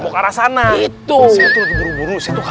ke arah sana